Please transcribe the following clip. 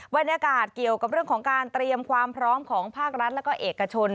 บรรยากาศเกี่ยวกับเรื่องของการเตรียมความพร้อมของภาครัฐและก็เอกชน